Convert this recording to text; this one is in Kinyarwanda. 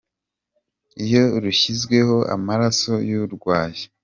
Iyo rushyizweho amaraso y’urwaye.